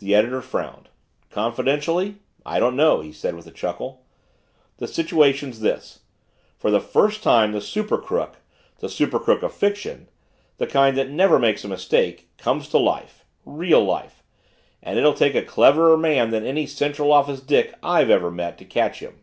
The editor frowned. "Confidentially I don't know," he said with a chuckle: "The situation's this: for the first time the super crook the super crook of fiction the kind that never makes a mistake has come to life real life. And it'll take a cleverer man than any Central Office dick I've ever met to catch him!"